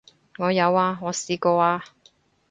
我有啊，我試過啊